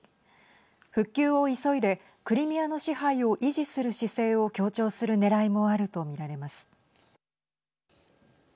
復旧を急いでクリミアの支配を維持する姿勢を強調するねらいもあると見られます。